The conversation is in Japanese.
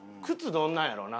どんなんやろうな？